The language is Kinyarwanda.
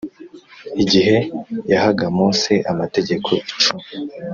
igihe yahaga Mose Amategeko Icumi